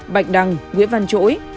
bạch đăng nguyễn văn chỗi